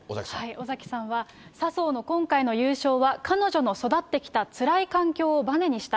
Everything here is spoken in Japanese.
尾崎さんは、笹生の今回の優勝は彼女の育ってきたつらい環境をばねにした。